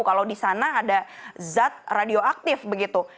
kalau di sana ada zat radioaktif begitu